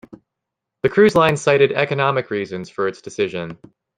The cruise line cited economic reasons for its decision.